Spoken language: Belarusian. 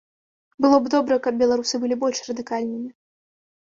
Было б добра, каб беларусы былі больш радыкальнымі.